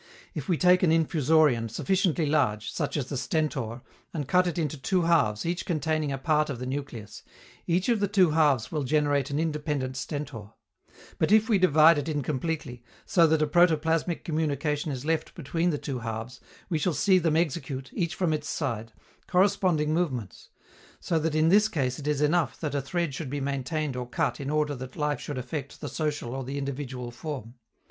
If we take an infusorian sufficiently large, such as the Stentor, and cut it into two halves each containing a part of the nucleus, each of the two halves will generate an independent Stentor; but if we divide it incompletely, so that a protoplasmic communication is left between the two halves, we shall see them execute, each from its side, corresponding movements: so that in this case it is enough that a thread should be maintained or cut in order that life should affect the social or the individual form.